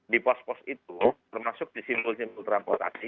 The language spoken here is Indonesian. di pos pos itu termasuk di simbol simbol transportasi